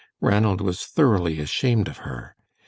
Ranald was thoroughly ashamed of her.